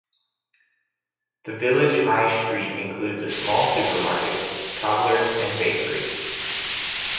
The village high street includes a small supermarket, cobblers and bakery.